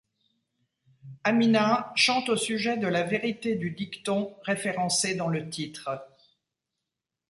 Amina chante au sujet de la vérité du dicton référencé dans le titre.